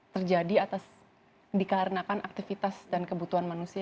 terjadi atas dikarenakan aktivitas dan kebutuhan manusia